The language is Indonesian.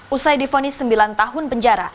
usai difonis sembilan tahun penjara